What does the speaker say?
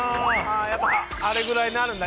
やっぱあれぐらいになるんだ